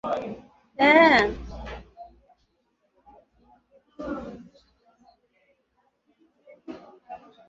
wa Waigbo Tangu karne ya kumi na mbili kuna habari za falme za